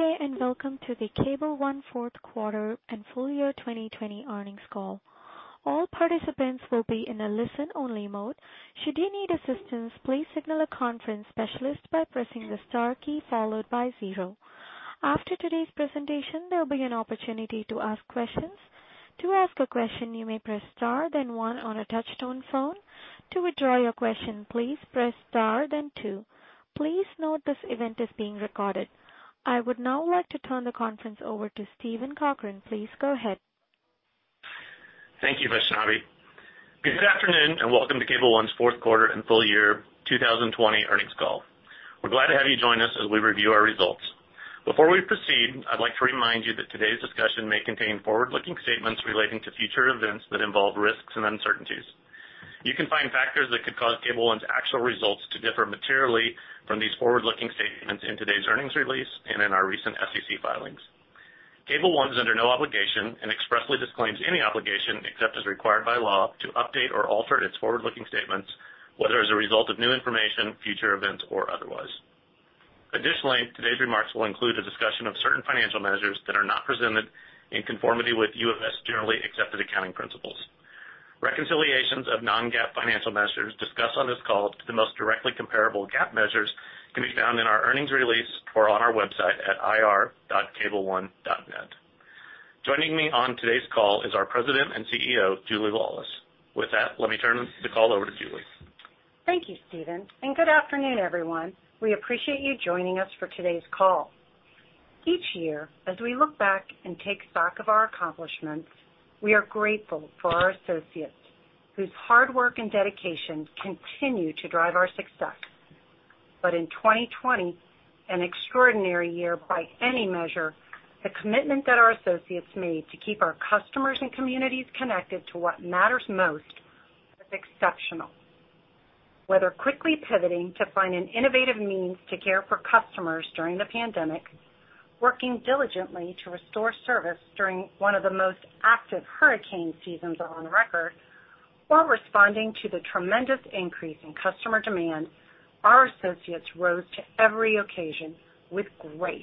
Good day, and welcome to the Cable One fourth quarter and full year 2020 earnings call. All participants will be in a listen-only mode. Should you need assistance, please signal a conference specialist by pressing the star key followed by zero. After today's presentation, there will be an opportunity to ask questions. To ask a question, you may press star then one on a touch-tone phone. To withdraw your question, please press star then two. Please note this event is being recorded. I would now like to turn the conference over to Steven S. Cochran. Please go ahead. Thank you, Vaishnavi. Good afternoon, and welcome to Cable One's fourth quarter and full year 2020 earnings call. We're glad to have you join us as we review our results. Before we proceed, I'd like to remind you that today's discussion may contain forward-looking statements relating to future events that involve risks and uncertainties. You can find factors that could cause Cable One's actual results to differ materially from these forward-looking statements in today's earnings release and in our recent SEC filings. Cable One is under no obligation, and expressly disclaims any obligation, except as required by law, to update or alter its forward-looking statements, whether as a result of new information, future events, or otherwise. Additionally, today's remarks will include a discussion of certain financial measures that are not presented in conformity with U.S. generally accepted accounting principles. Reconciliations of non-GAAP financial measures discussed on this call to the most directly comparable GAAP measures can be found in our earnings release or on our website at ir.cableone.net. Joining me on today's call is our President and CEO, Julia Laulis. With that, let me turn the call over to Julia. Thank you, Steven, and good afternoon, everyone. We appreciate you joining us for today's call. Each year, as we look back and take stock of our accomplishments, we are grateful for our associates, whose hard work and dedication continue to drive our success. In 2020, an extraordinary year by any measure, the commitment that our associates made to keep our customers and communities connected to what matters most was exceptional. Whether quickly pivoting to find an innovative means to care for customers during the pandemic, working diligently to restore service during one of the most active hurricane seasons on record, while responding to the tremendous increase in customer demand, our associates rose to every occasion with grace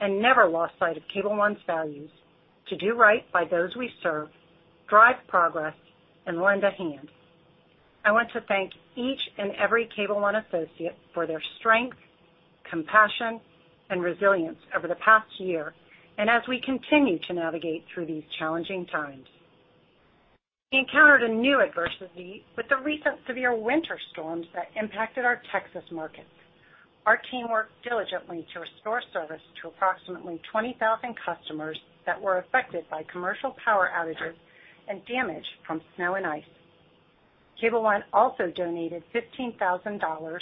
and never lost sight of Cable One's values to do right by those we serve, drive progress, and lend a hand. I want to thank each and every Cable One associate for their strength, compassion, and resilience over the past year and as we continue to navigate through these challenging times. We encountered a new adversity with the recent severe winter storms that impacted our Texas markets. Our team worked diligently to restore service to approximately 20,000 customers that were affected by commercial power outages and damage from snow and ice. Cable One also donated $15,000,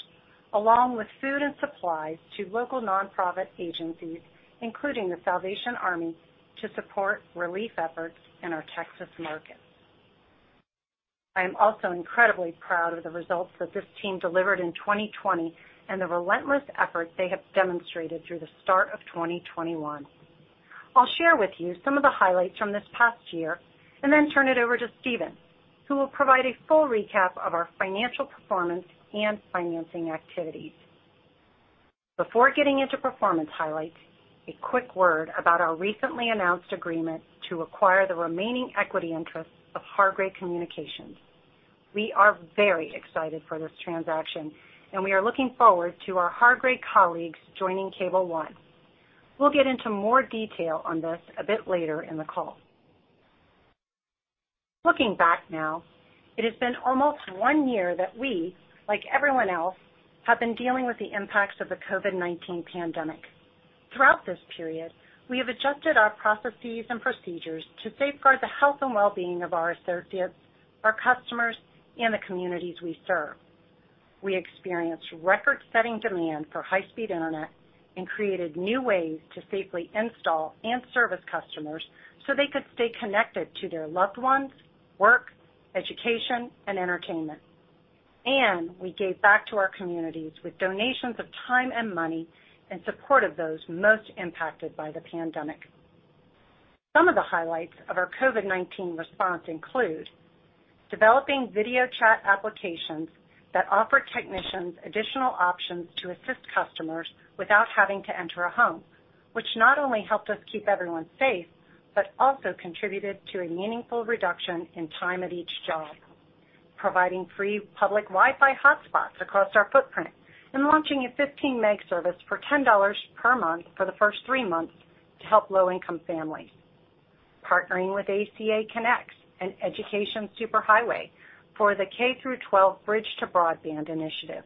along with food and supplies, to local nonprofit agencies, including The Salvation Army, to support relief efforts in our Texas markets. I am also incredibly proud of the results that this team delivered in 2020 and the relentless effort they have demonstrated through the start of 2021. I'll share with you some of the highlights from this past year and then turn it over to Steven, who will provide a full recap of our financial performance and financing activities. Before getting into performance highlights, a quick word about our recently announced agreement to acquire the remaining equity interests of Hargray Communications. We are very excited for this transaction, and we are looking forward to our Hargray colleagues joining Cable One. We'll get into more detail on this a bit later in the call. Looking back now, it has been almost one year that we, like everyone else, have been dealing with the impacts of the COVID-19 pandemic. Throughout this period, we have adjusted our processes and procedures to safeguard the health and well-being of our associates, our customers, and the communities we serve. We experienced record-setting demand for high-speed internet and created new ways to safely install and service customers so they could stay connected to their loved ones, work, education, and entertainment. We gave back to our communities with donations of time and money in support of those most impacted by the pandemic. Some of the highlights of our COVID-19 response include developing video chat applications that offer technicians additional options to assist customers without having to enter a home, which not only helped us keep everyone safe, but also contributed to a meaningful reduction in time at each job, providing free public Wi-Fi hotspots across our footprint and launching a 15 Meg service for $10 per month for the first three months to help low-income families. Partnering with ACA Connects and EducationSuperHighway for the K through 12 Bridge to Broadband initiative,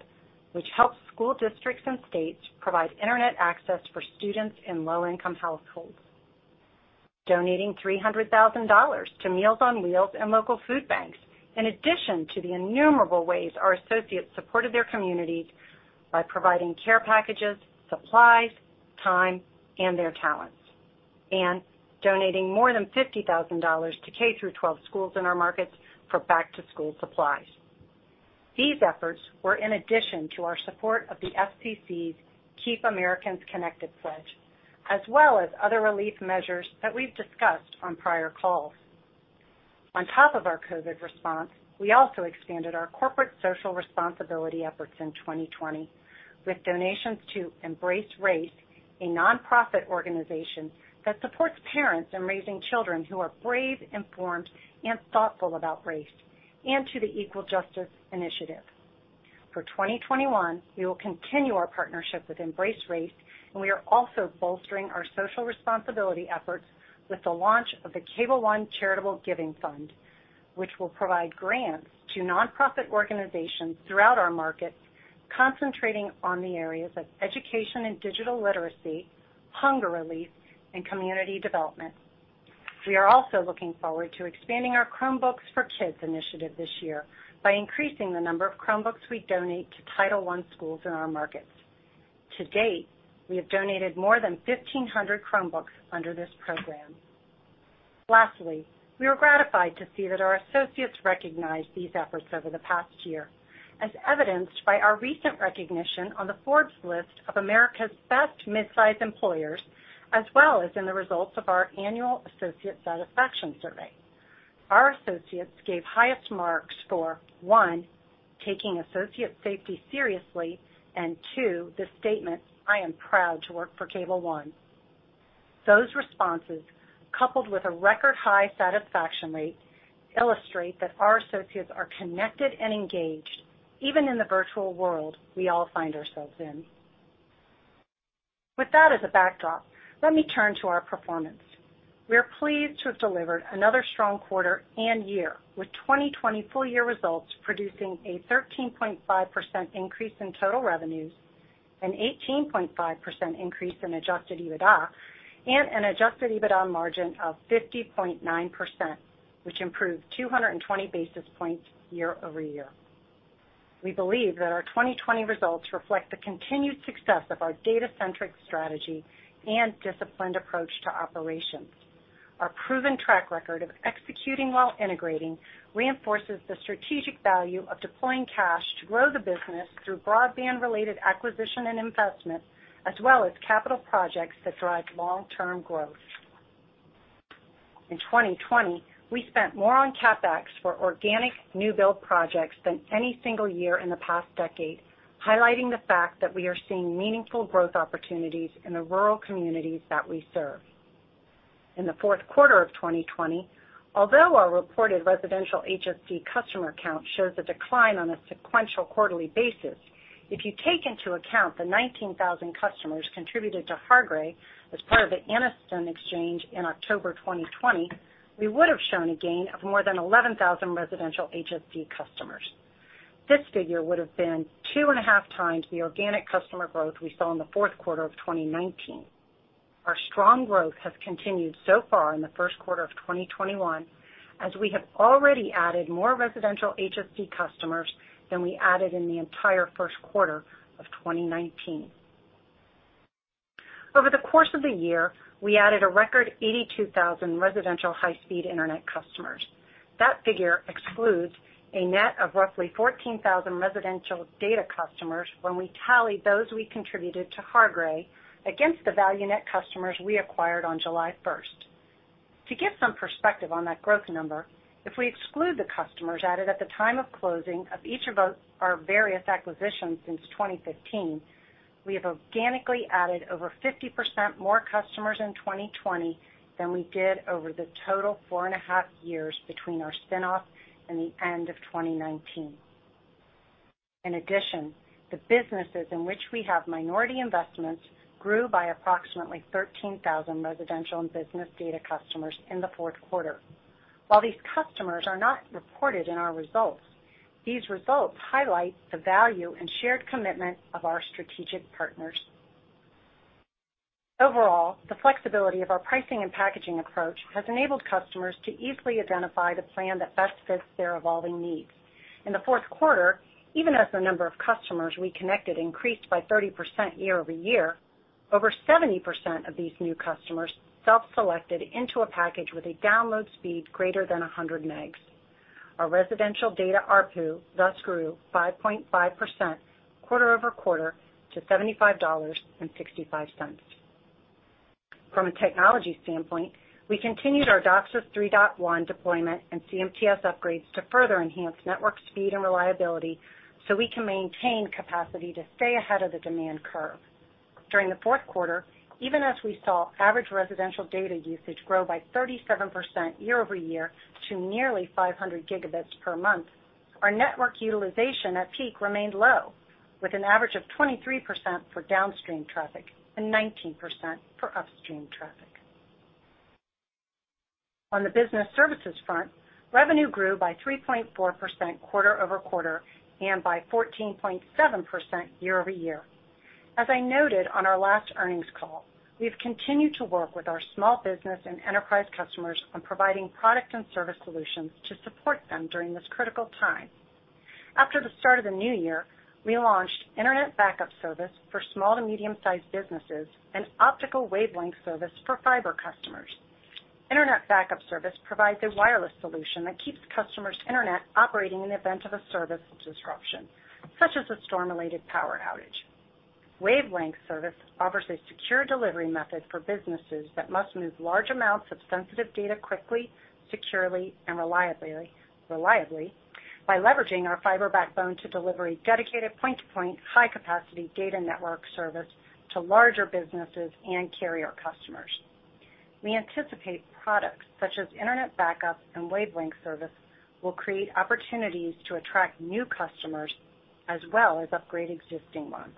which helps school districts and states provide internet access for students in low-income households. Donating $300,000 to Meals on Wheels and local food banks, in addition to the innumerable ways our associates supported their communities by providing care packages, supplies, time, and their talents. Donating more than $50,000 to K through 12 schools in our markets for back-to-school supplies. These efforts were in addition to our support of the FCC's Keep Americans Connected Pledge, as well as other relief measures that we've discussed on prior calls. On top of our COVID response, we also expanded our corporate social responsibility efforts in 2020 with donations to EmbraceRace, a nonprofit organization that supports parents in raising children who are brave, informed, and thoughtful about race, and to the Equal Justice Initiative. For 2021, we will continue our partnership with EmbraceRace, and we are also bolstering our social responsibility efforts with the launch of the Cable One Charitable Giving Fund, which will provide grants to nonprofit organizations throughout our markets, concentrating on the areas of education and digital literacy, hunger relief, and community development. We are also looking forward to expanding our Chromebooks for Kids initiative this year by increasing the number of Chromebooks we donate to Title I schools in our markets. To date, we have donated more than 1,500 Chromebooks under this program. Lastly, we are gratified to see that our associates recognize these efforts over the past year, as evidenced by our recent recognition on the Forbes list of America's best mid-size employers, as well as in the results of our annual associate satisfaction survey. Our associates gave highest marks for, one, taking associate safety seriously, and two, the statement, "I am proud to work for Cable One." Those responses, coupled with a record high satisfaction rate, illustrate that our associates are connected and engaged, even in the virtual world we all find ourselves in. With that as a backdrop, let me turn to our performance. We are pleased to have delivered another strong quarter and year, with 2020 full year results producing a 13.5% increase in total revenues, an 18.5% increase in adjusted EBITDA, and an adjusted EBITDA margin of 50.9%, which improved 220 basis points year-over-year. We believe that our 2020 results reflect the continued success of our data centric strategy and disciplined approach to operations. Our proven track record of executing while integrating reinforces the strategic value of deploying cash to grow the business through broadband related acquisition and investment, as well as CapEx projects that drive long-term growth. In 2020, we spent more on CapEx for organic new build projects than any single year in the past decade, highlighting the fact that we are seeing meaningful growth opportunities in the rural communities that we serve. In the fourth quarter of 2020, although our reported residential HSD customer count shows a decline on a sequential quarterly basis, if you take into account the 19,000 customers contributed to Hargray as part of the Anniston exchange in October 2020, we would've shown a gain of more than 11,000 residential HSD customers. This figure would've been two and a half times the organic customer growth we saw in the fourth quarter of 2019. Our strong growth has continued so far in the first quarter of 2021, as we have already added more residential HSD customers than we added in the entire first quarter of 2019. Over the course of the year, we added a record 82,000 residential high-speed internet customers. That figure excludes a net of roughly 14,000 residential data customers when we tally those we contributed to Hargray against the ValuNet customers we acquired on July 1st. To give some perspective on that growth number, if we exclude the customers added at the time of closing of each of our various acquisitions since 2015, we have organically added over 50% more customers in 2020 than we did over the total four and a half years between our spinoff and the end of 2019. In addition, the businesses in which we have minority investments grew by approximately 13,000 residential and business data customers in the fourth quarter. While these customers are not reported in our results, these results highlight the value and shared commitment of our strategic partners. Overall, the flexibility of our pricing and packaging approach has enabled customers to easily identify the plan that best fits their evolving needs. In the fourth quarter, even as the number of customers we connected increased by 30% year-over-year, over 70% of these new customers self-selected into a package with a download speed greater than 100 megs. Our residential data ARPU thus grew 5.5% quarter-over-quarter to $75.65. From a technology standpoint, we continued our DOCSIS 3.1 deployment and CMTS upgrades to further enhance network speed and reliability so we can maintain capacity to stay ahead of the demand curve. During the fourth quarter, even as we saw average residential data usage grow by 37% year-over-year to nearly 500 GB per month, our network utilization at peak remained low, with an average of 23% for downstream traffic and 19% for upstream traffic. On the business services front, revenue grew by 3.4% quarter-over-quarter and by 14.7% year-over-year. As I noted on our last earnings call, we've continued to work with our small business and enterprise customers on providing product and service solutions to support them during this critical time. After the start of the new year, we launched internet backup service for small to medium sized businesses and optical Wavelength service for fiber customers. Internet backup service provides a wireless solution that keeps customers' internet operating in event of a service disruption, such as a storm-related power outage. Wavelength service offers a secure delivery method for businesses that must move large amounts of sensitive data quickly, securely, and reliably by leveraging our fiber backbone to deliver a dedicated point-to-point, high-capacity data network service to larger businesses and carrier customers. We anticipate products such as internet backup and Wavelength service will create opportunities to attract new customers, as well as upgrade existing ones.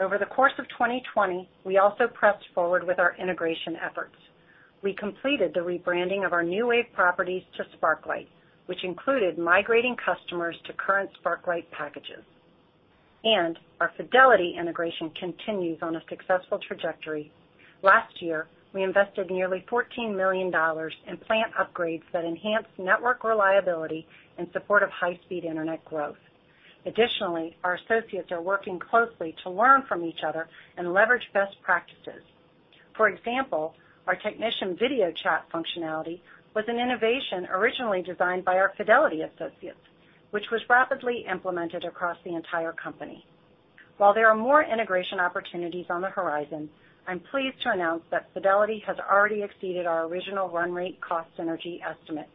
Over the course of 2020, we also pressed forward with our integration efforts. We completed the rebranding of our NewWave properties to Sparklight, which included migrating customers to current Sparklight packages. Our Fidelity integration continues on a successful trajectory. Last year, we invested nearly $14 million in plant upgrades that enhance network reliability in support of high-speed internet growth. Additionally, our associates are working closely to learn from each other and leverage best practices. For example, our technician video chat functionality was an innovation originally designed by our Fidelity associates, which was rapidly implemented across the entire company. While there are more integration opportunities on the horizon, I'm pleased to announce that Fidelity has already exceeded our original run rate cost synergy estimate.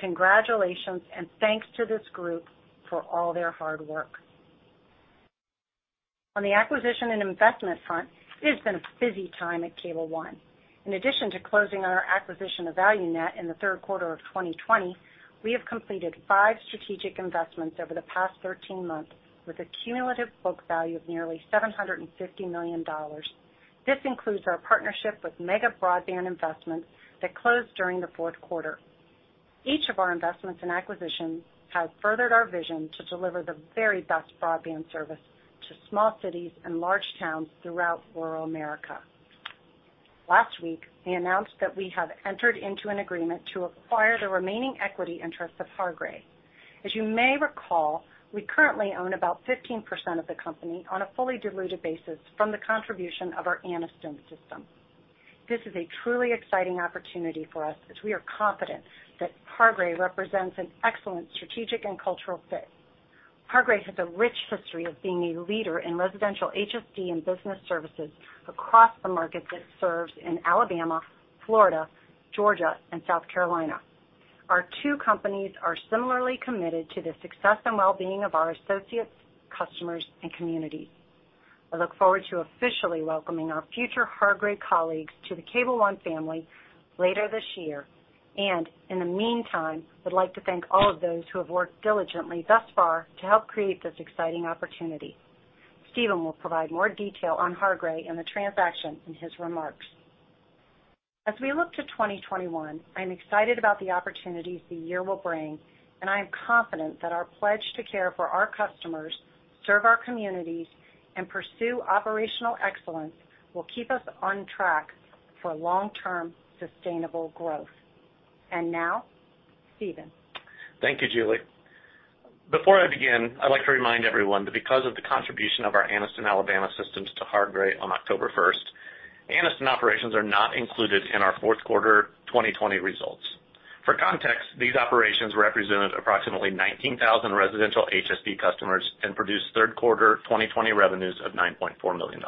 Congratulations, and thanks to this group for all their hard work. On the acquisition and investment front, it has been a busy time at Cable One. In addition to closing on our acquisition of ValuNet in the third quarter of 2020, we have completed five strategic investments over the past 13 months, with a cumulative book value of nearly $750 million. This includes our partnership with Mega Broadband Investments that closed during the fourth quarter. Each of our investments and acquisitions has furthered our vision to deliver the very best broadband service to small cities and large towns throughout rural America. Last week, we announced that we have entered into an agreement to acquire the remaining equity interest of Hargray. As you may recall, we currently own about 15% of the company on a fully diluted basis from the contribution of our Anniston system. This is a truly exciting opportunity for us as we are confident that Hargray represents an excellent strategic and cultural fit. Hargray has a rich history of being a leader in residential HSD and business services across the market that it serves in Alabama, Florida, Georgia, and South Carolina. Our two companies are similarly committed to the success and wellbeing of our associates, customers, and community. I look forward to officially welcoming our future Hargray colleagues to the Cable One family later this year. In the meantime, I'd like to thank all of those who have worked diligently thus far to help create this exciting opportunity. Steven will provide more detail on Hargray and the transaction in his remarks. As we look to 2021, I am excited about the opportunities the year will bring, and I am confident that our pledge to care for our customers, serve our communities, and pursue operational excellence will keep us on track for long-term sustainable growth. Now, Steven. Thank you, Julia. Before I begin, I'd like to remind everyone that because of the contribution of our Anniston, Alabama systems to Hargray on October 1st, Anniston operations are not included in our fourth quarter 2020 results. For context, these operations represented approximately 19,000 residential HSD customers and produced third quarter 2020 revenues of $9.4 million.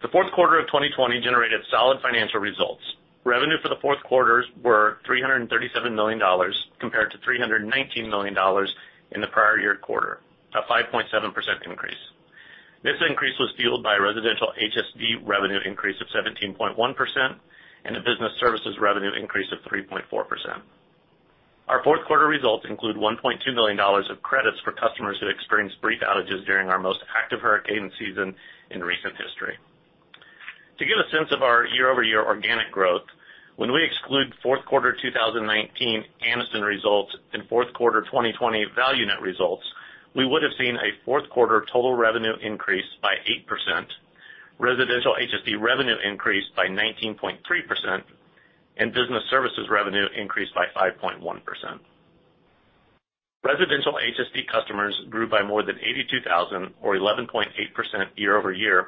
The fourth quarter of 2020 generated solid financial results. Revenue for the fourth quarter was $337 million compared to $319 million in the prior year quarter, a 5.7% increase. This increase was fueled by a residential HSD revenue increase of 17.1% and a business services revenue increase of 3.4%. Our fourth quarter results include $1.2 million of credits for customers who experienced brief outages during our most active hurricane season in recent history. To give a sense of our year-over-year organic growth, when we exclude fourth quarter 2019 Anniston results and fourth quarter 2020 ValuNet results, we would have seen a fourth quarter total revenue increase by 8%, residential HSD revenue increase by 19.3%, and business services revenue increase by 5.1%. Residential HSD customers grew by more than 82,000 or 11.8% year-over-year,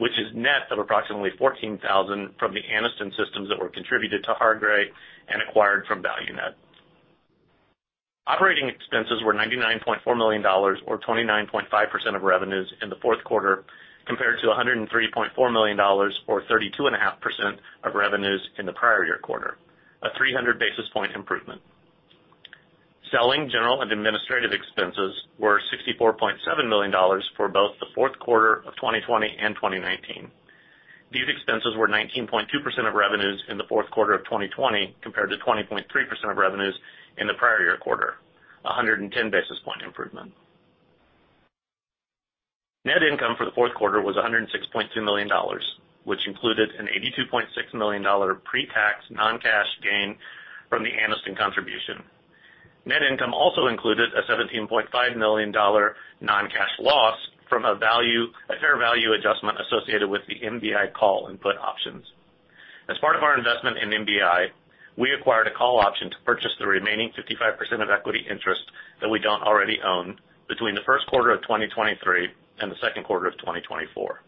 which is net of approximately 14,000 from the Anniston systems that were contributed to Hargray and acquired from ValuNet. Operating expenses were $99.4 million, or 29.5% of revenues in the fourth quarter, compared to $103.4 million, or 32 and a half percent of revenues in the prior year quarter, a 300 basis point improvement. Selling, general, and administrative expenses were $64.7 million for both the fourth quarter of 2020 and 2019. These expenses were 19.2% of revenues in the fourth quarter of 2020, compared to 20.3% of revenues in the prior year quarter, a 110 basis point improvement. Net income for the fourth quarter was $106.2 million, which included an $82.6 million pre-tax non-cash gain from the Anniston contribution. Net income also included a $17.5 million non-cash loss from a fair value adjustment associated with the MBI call and put options. As part of our investment in MBI, we acquired a call option to purchase the remaining 55% of equity interest that we don't already own between the first quarter of 2023 and the second quarter of 2024.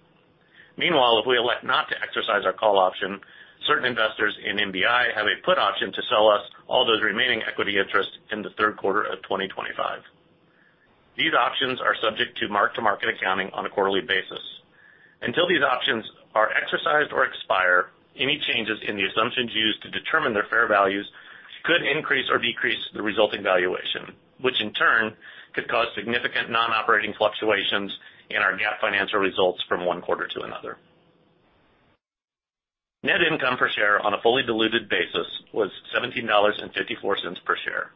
Meanwhile, if we elect not to exercise our call option, certain investors in MBI have a put option to sell us all those remaining equity interests in the third quarter of 2025. These options are subject to mark-to-market accounting on a quarterly basis. Until these options are exercised or expire, any changes in the assumptions used to determine their fair values could increase or decrease the resulting valuation, which in turn could cause significant non-operating fluctuations in our GAAP financial results from one quarter to another. Net income per share on a fully diluted basis was $17.54 per share,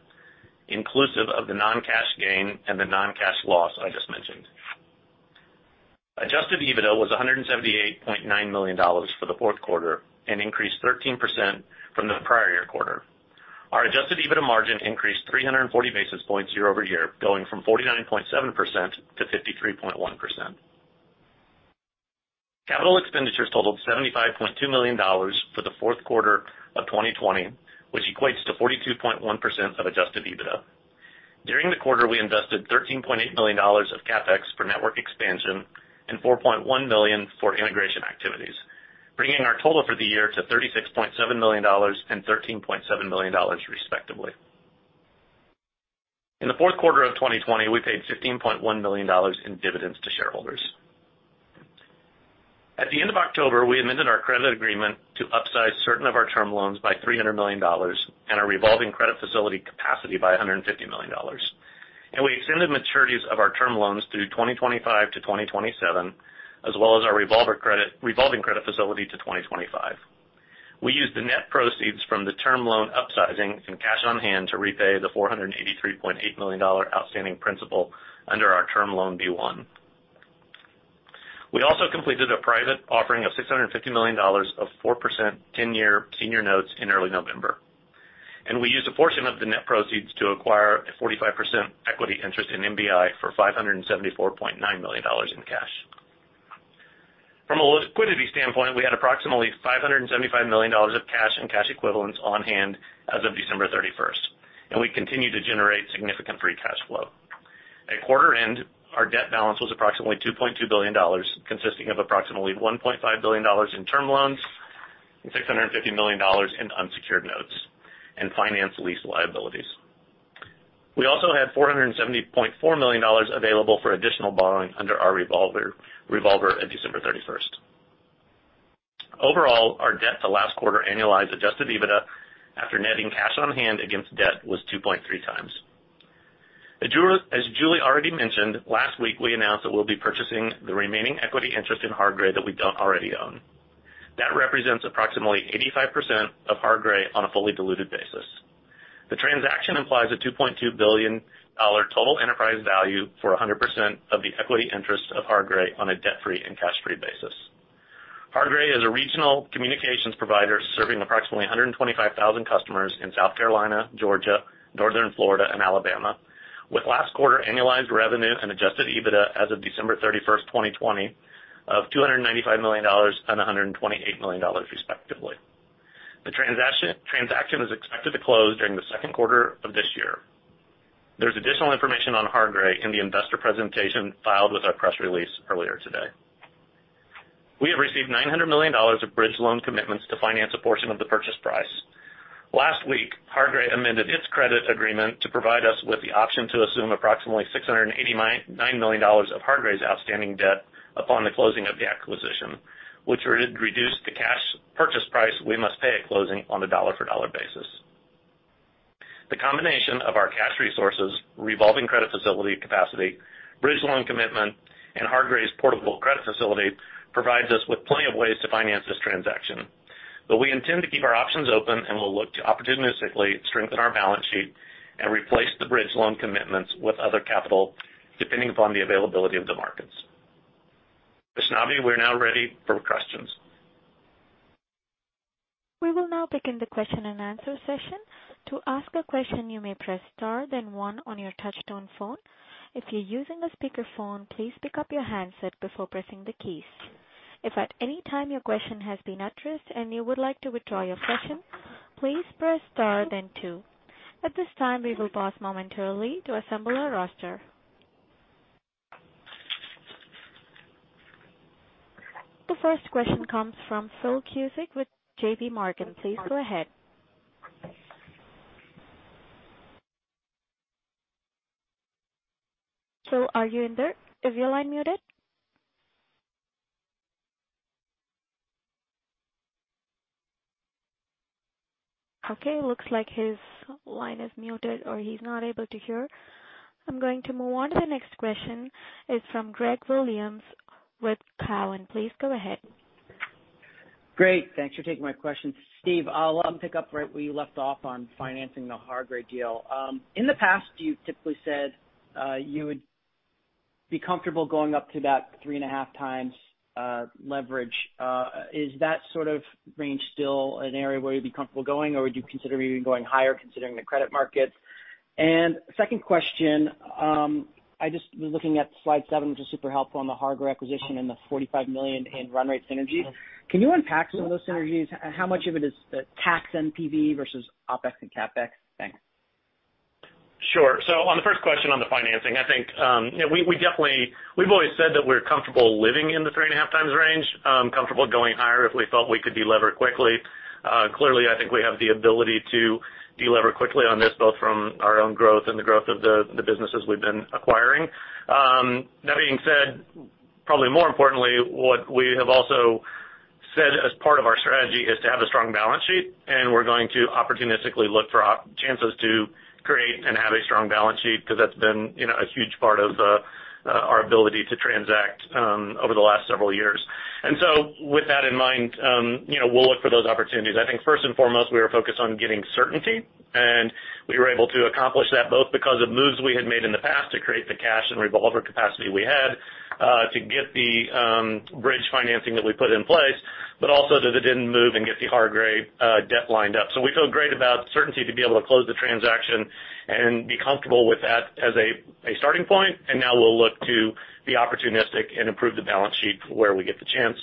inclusive of the non-cash gain and the non-cash loss I just mentioned. Adjusted EBITDA was $178.9 million for the fourth quarter and increased 13% from the prior year quarter. Our adjusted EBITDA margin increased 340 basis points year-over-year, going from 49.7% to 53.1%. Capital expenditures totaled $75.2 million for the fourth quarter of 2020, which equates to 42.1% of adjusted EBITDA. During the quarter, we invested $13.8 million of CapEx for network expansion and $4.1 million for integration activities, bringing our total for the year to $36.7 million and $13.7 million, respectively. In the fourth quarter of 2020, we paid $15.1 million in dividends to shareholders. At the end of October, we amended our credit agreement to upsize certain of our term loans by $300 million and our revolving credit facility capacity by $150 million. We extended maturities of our term loans through 2025 to 2027, as well as our revolving credit facility to 2025. We used the net proceeds from the term loan upsizing and cash on hand to repay the $483.8 million outstanding principal under our Term Loan B-1. We also completed a private offering of $650 million of 4% 10-year senior notes in early November. We used a portion of the net proceeds to acquire a 45% equity interest in MBI for $574.9 million in cash. From a liquidity standpoint, we had approximately $575 million of cash and cash equivalents on hand as of December 31st, and we continue to generate significant free cash flow. At quarter end, our debt balance was approximately $2.2 billion, consisting of approximately $1.5 billion in term loans and $650 million in unsecured notes and finance lease liabilities. We also had $470.4 million available for additional borrowing under our revolver at December 31st. Overall, our debt to last quarter annualized adjusted EBITDA after netting cash on hand against debt was 2.3 times. As Julia already mentioned, last week we announced that we'll be purchasing the remaining equity interest in Hargray that we don't already own. That represents approximately 85% of Hargray on a fully diluted basis. The transaction implies a $2.2 billion total enterprise value for 100% of the equity interest of Hargray on a debt-free and cash-free basis. Hargray is a regional communications provider serving approximately 125,000 customers in South Carolina, Georgia, northern Florida, and Alabama, with last quarter annualized revenue and adjusted EBITDA as of December 31st, 2020 of $295 million and $128 million, respectively. The transaction is expected to close during the second quarter of this year. There's additional information on Hargray in the investor presentation filed with our press release earlier today. We have received $900 million of bridge loan commitments to finance a portion of the purchase price. Last week, Hargray amended its credit agreement to provide us with the option to assume approximately $689 million of Hargray's outstanding debt upon the closing of the acquisition, which would reduce the cash purchase price we must pay at closing on a dollar-for-dollar basis. The combination of our cash resources, revolving credit facility capacity, bridge loan commitment, and Hargray's portable credit facility provides us with plenty of ways to finance this transaction. We intend to keep our options open, and we'll look to opportunistically strengthen our balance sheet and replace the bridge loan commitments with other capital, depending upon the availability of the markets. Vaishnavi, we're now ready for questions. We will now begin the question and answer session. To ask a question, you may press star, then one on your touch-tone phone. If you're using a speakerphone, please pick up your handset before pressing the keys. If at any time your question has been addressed and you would like to withdraw your question, please press star then two. At this time, we will pause momentarily to assemble our roster. The first question comes from Phil Cusick with J.P. Morgan. Please go ahead. Phil, are you in there? Is your line muted? Okay, looks like his line is muted or he's not able to hear. I'm going to move on to the next question. It's from Greg Williams with Cowen. Please go ahead. Great. Thanks for taking my question. Steve, I'll pick up right where you left off on financing the Hargray deal. In the past, you typically said you would be comfortable going up to that three and a half times leverage. Is that sort of range still an area where you'd be comfortable going, or would you consider even going higher considering the credit markets? Second question, I just was looking at slide seven, which is super helpful on the Hargray acquisition and the $45 million in run rate synergies. Can you unpack some of those synergies? How much of it is tax NPV versus OpEx and CapEx? Thanks. Sure. On the first question on the financing, I think we've always said that we're comfortable living in the three and a half times range, comfortable going higher if we felt we could de-lever quickly. Clearly, I think we have the ability to de-lever quickly on this, both from our own growth and the growth of the businesses we've been acquiring. That being said, probably more importantly, what we have also said as part of our strategy is to have a strong balance sheet, and we're going to opportunistically look for chances to create and have a strong balance sheet, because that's been a huge part of our ability to transact over the last several years. With that in mind, we'll look for those opportunities. I think first and foremost, we were focused on getting certainty, and we were able to accomplish that both because of moves we had made in the past to create the cash and revolver capacity we had to get the bridge financing that we put in place, but also that it didn't move and get the Hargray debt lined up. We feel great about certainty to be able to close the transaction and be comfortable with that as a starting point, and now we'll look to be opportunistic and improve the balance sheet where we get the chance.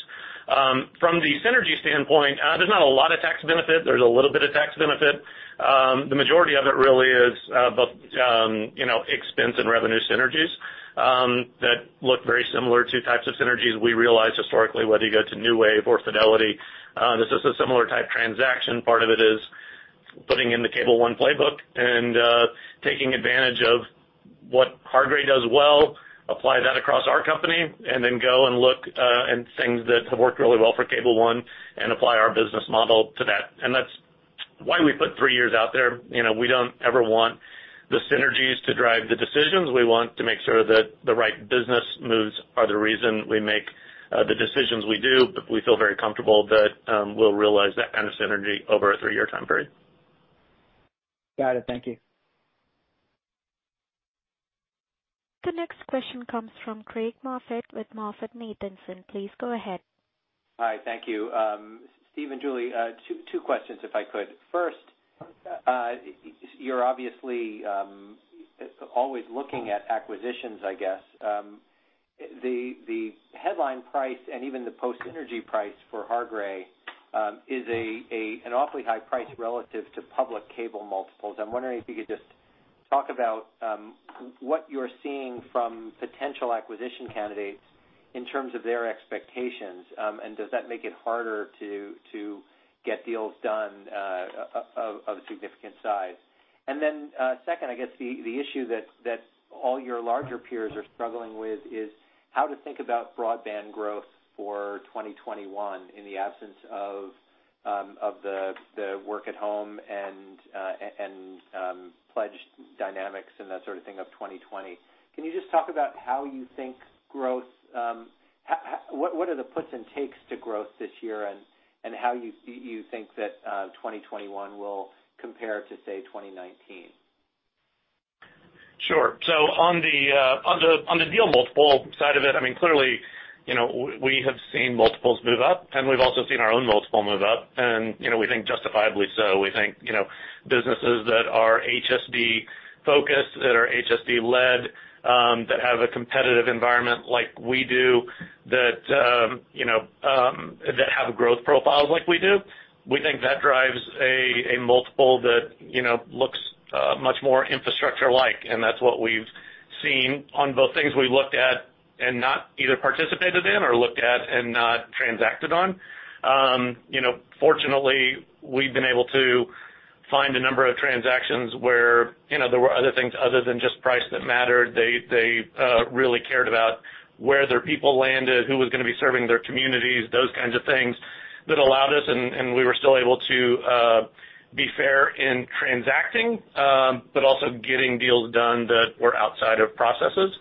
From the synergy standpoint, there's not a lot of tax benefit. There's a little bit of tax benefit. The majority of it really is both expense and revenue synergies that look very similar to types of synergies we realized historically, whether you go to NewWave or Fidelity. This is a similar type transaction. Part of it is putting in the Cable One playbook and taking advantage of what Hargray does well, apply that across our company, and then go and look at things that have worked really well for Cable One and apply our business model to that. That's why we put three years out there. We don't ever want the synergies to drive the decisions. We want to make sure that the right business moves are the reason we make the decisions we do, but we feel very comfortable that we'll realize that kind of synergy over a three-year time period. Got it. Thank you. The next question comes from Craig Moffett with MoffettNathanson. Please go ahead. Hi. Thank you. Steve and Julie, two questions, if I could. First, you're obviously always looking at acquisitions, I guess. The headline price and even the post-synergy price for Hargray is an awfully high price relative to public cable multiples. I'm wondering if you could just talk about what you're seeing from potential acquisition candidates in terms of their expectations, and does that make it harder to get deals done of a significant size? Second, I guess the issue that all your larger peers are struggling with is how to think about broadband growth for 2021 in the absence of the work at home and pledge dynamics and that sort of thing of 2020. Can you just talk about what are the puts and takes to growth this year and how you think that 2021 will compare to, say, 2019? Sure. On the deal multiple side of it, clearly, we have seen multiples move up, and we've also seen our own multiple move up, and we think justifiably so. We think businesses that are HSD-focused, that are HSD-led, that have a competitive environment like we do, that have growth profiles like we do, we think that drives a multiple that looks much more infrastructure-like, and that's what we've seen on both things we looked at and not either participated in or looked at and not transacted on. Fortunately, we've been able to find a number of transactions where there were other things other than just price that mattered. They really cared about where their people landed, who was going to be serving their communities, those kinds of things that allowed us, we were still able to be fair in transacting, also getting deals done that were outside of processes.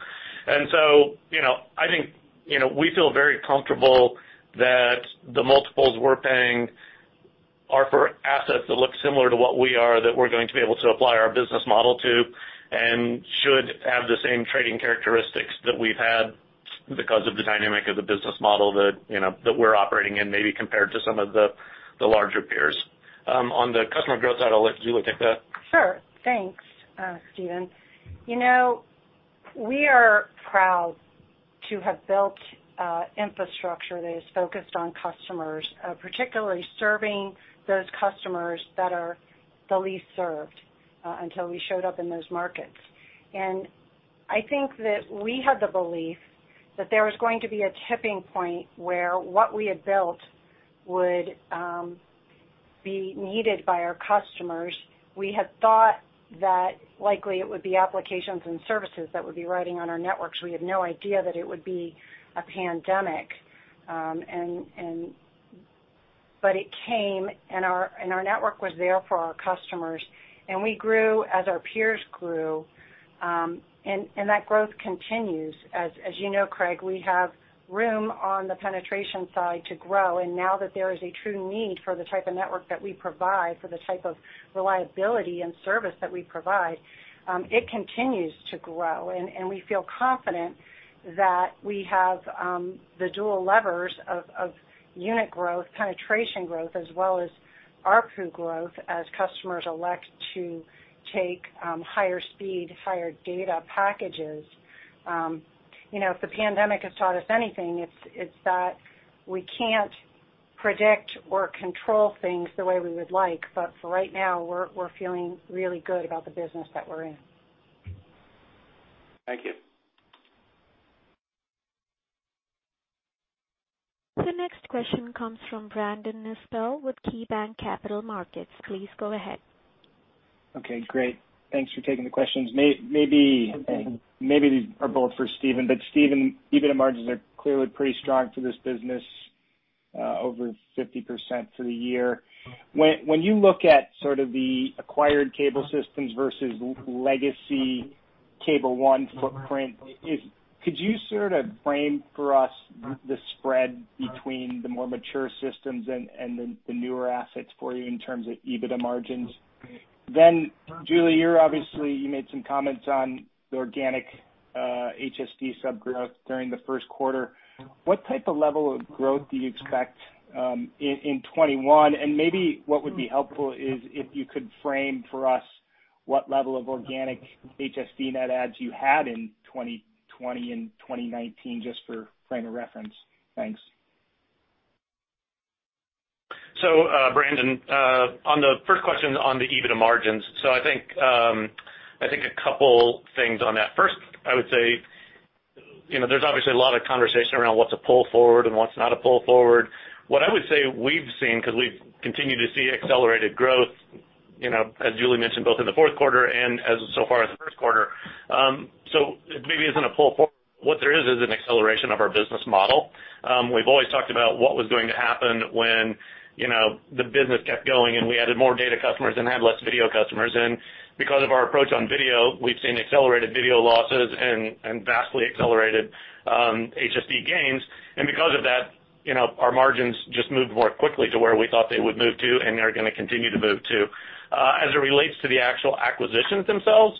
We feel very comfortable that the multiples we're paying are for assets that look similar to what we are, that we're going to be able to apply our business model to and should have the same trading characteristics that we've had because of the dynamic of the business model that we're operating in, maybe compared to some of the larger peers. On the customer growth side, I'll let Julia take that. Sure. Thanks, Steven. We are proud to have built infrastructure that is focused on customers, particularly serving those customers that are the least served until we showed up in those markets. I think that we had the belief that there was going to be a tipping point where what we had built would be needed by our customers. We had thought that likely it would be applications and services that would be riding on our networks. We had no idea that it would be a pandemic. It came, and our network was there for our customers, and we grew as our peers grew, and that growth continues. As you know, Craig, we have room on the penetration side to grow. Now that there is a true need for the type of network that we provide, for the type of reliability and service that we provide, it continues to grow. We feel confident that we have the dual levers of unit growth, penetration growth, as well as ARPU growth as customers elect to take higher speed, higher data packages. If the pandemic has taught us anything, it's that we can't predict or control things the way we would like. For right now, we're feeling really good about the business that we're in. Thank you. The next question comes from Brandon Nispel with KeyBanc Capital Markets. Please go ahead. Okay, great. Thanks for taking the questions. Maybe these are both for Steven. Steven, EBITDA margins are clearly pretty strong for this business, over 50% for the year. When you look at sort of the acquired cable systems versus legacy Cable One footprint, could you sort of frame for us the spread between the more mature systems and the newer assets for you in terms of EBITDA margins? Julie, you obviously made some comments on the organic HSD sub growth during the first quarter. What type of level of growth do you expect in 2021? Maybe what would be helpful is if you could frame for us what level of organic HSD net adds you had in 2020 and 2019, just for frame of reference. Thanks. Brandon, on the first question on the EBITDA margins. A couple things on that. First, I would say, there's obviously a lot of conversation around what to pull forward and what not to pull forward. What I would say we've seen, because we've continued to see accelerated growth, as Julia mentioned, both in the fourth quarter and so far in the first quarter. It maybe isn't a pull forward. What there is is an acceleration of our business model. We've always talked about what was going to happen when the business kept going, and we added more data customers and had less video customers. Because of our approach on video, we've seen accelerated video losses and vastly accelerated HSD gains. Because of that, our margins just moved more quickly to where we thought they would move to and they're going to continue to move to. As it relates to the actual acquisitions themselves,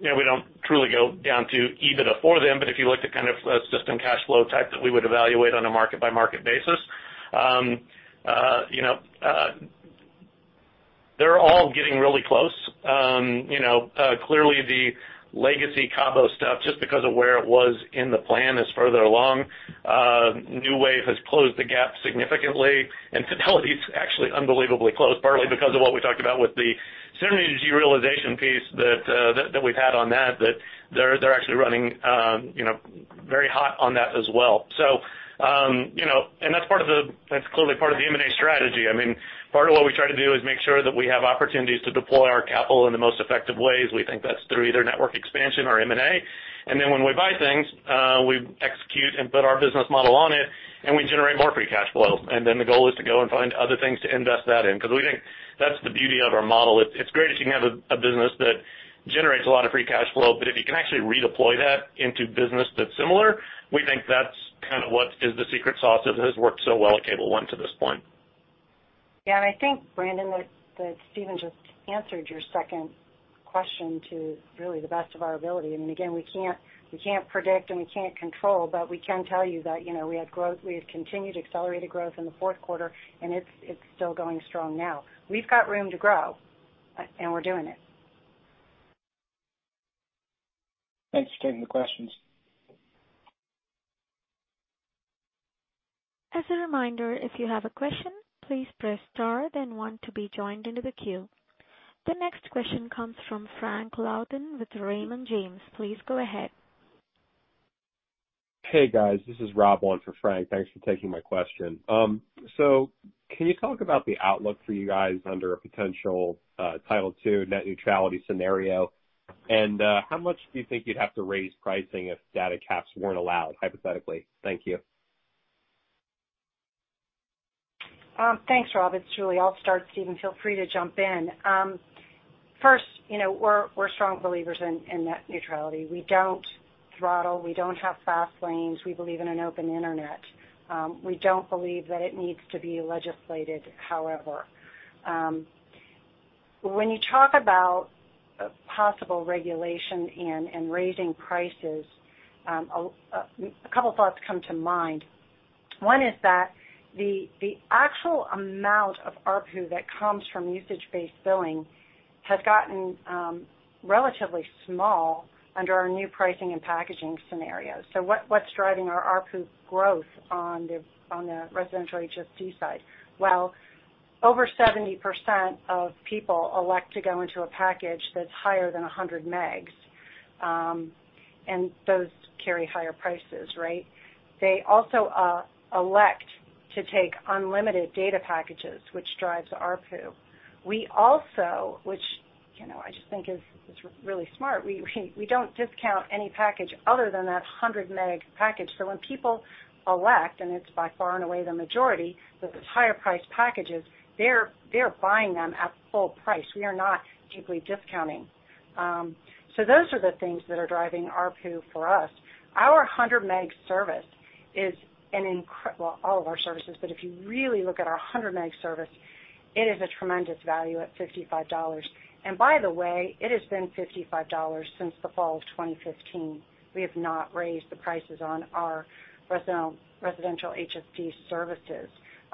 we don't truly go down to EBITDA for them, but if you look to kind of a system cash flow type that we would evaluate on a market by market basis, they're all getting really close. Clearly the legacy Cable One stuff, just because of where it was in the plan, is further along. NewWave has closed the gap significantly, Fidelity's actually unbelievably close, partly because of what we talked about with the synergy realization piece that we've had on that they're actually running very hot on that as well. That's clearly part of the M&A strategy. Part of what we try to do is make sure that we have opportunities to deploy our capital in the most effective ways. We think that's through either network expansion or M&A. When we buy things, we execute and put our business model on it, and we generate more free cash flow. The goal is to go and find other things to invest that in, because we think that's the beauty of our model. It's great if you can have a business that generates a lot of free cash flow, but if you can actually redeploy that into business that's similar, we think that's kind of what is the secret sauce that has worked so well at Cable One to this point. Yeah Brandon, that Steven just answered your second question to really the best of our ability. Again, we can't predict, and we can't control, but we can tell you that we have continued accelerated growth in the fourth quarter, and it's still going strong now. We've got room to grow, and we're doing it. Thanks for taking the questions. As a reminder, if you have a question, please press star then one to be joined into the queue. The next question comes from Frank Louthan with Raymond James. Please go ahead. Hey, guys. This is Rob on for Frank. Thanks for taking my question. Can you talk about the outlook for you guys under a potential Title II net neutrality scenario? How much do you think you'd have to raise pricing if data caps weren't allowed, hypothetically? Thank you. Thanks, Rob. It's Julia. I'll start. Steven, feel free to jump in. First, we're strong believers in net neutrality. We don't throttle. We don't have fast lanes. We believe in an open internet. We don't believe that it needs to be legislated, however. When you talk about possible regulation and raising prices, a couple thoughts come to mind. One is that the actual amount of ARPU that comes from usage-based billing has gotten relatively small under our new pricing and packaging scenario. What's driving our ARPU growth on the residential HSD side? Well, over 70% of people elect to go into a package that's higher than 100 megs, and those carry higher prices, right. They also elect to take unlimited data packages, which drives ARPU. We also, which I just think is really smart, we don't discount any package other than that 100 meg package. When people elect, and it's by far and away the majority, those higher priced packages, they're buying them at full price. We are not deeply discounting. Those are the things that are driving ARPU for us. Our 100 meg service is all of our services, but if you really look at our 100 meg service, it is a tremendous value at $55. By the way, it has been $55 since the fall of 2015. We have not raised the prices on our residential HSD services.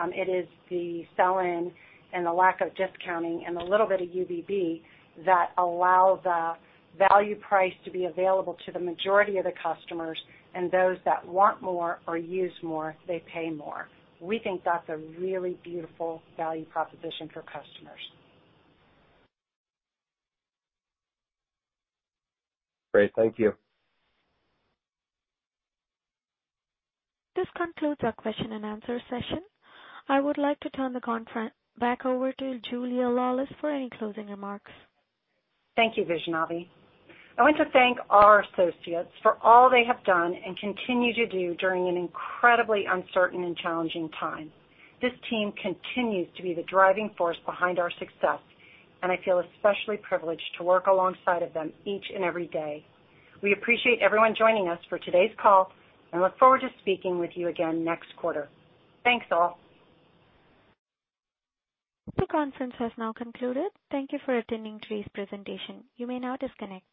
It is the sell-in and the lack of discounting and the little bit of UBB that allow the value price to be available to the majority of the customers, and those that want more or use more, they pay more. We think that's a really beautiful value proposition for customers. Great. Thank you. This concludes our question and answer session. I would like to turn the conference back over to Julia Laulis for any closing remarks. Thank you, Vaishnavi. I want to thank our associates for all they have done and continue to do during an incredibly uncertain and challenging time. This team continues to be the driving force behind our success, and I feel especially privileged to work alongside of them each and every day. We appreciate everyone joining us for today's call and look forward to speaking with you again next quarter. Thanks, all. The conference has now concluded. Thank you for attending today's presentation. You may now disconnect.